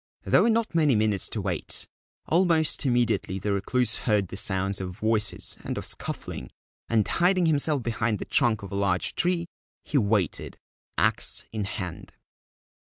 There were not many minutes to wait. Almost immediately the Recluse heard the sounds of voices and of scuffling, and, hiding himself behind the trunk of a large tree, he waited, axe in hand.